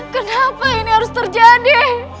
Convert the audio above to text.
kenapa ini harus terjadi